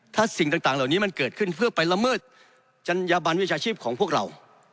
ถ้าสิ่งต่างเหล่านี้มันเกิดขึ้นเพื่อไปละเมิดจัญญาบันวิชาชีพของพวกเรา